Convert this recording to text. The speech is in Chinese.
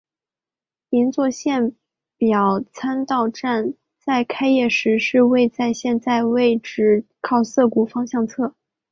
银座线表参道站在开业时是位在现在位置靠涩谷方向侧。